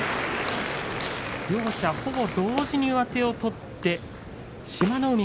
両者ほぼ同時に上手を取って志摩ノ